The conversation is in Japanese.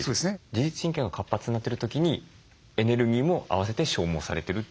自律神経が活発になってる時にエネルギーも併せて消耗されてるという理解でいいですか？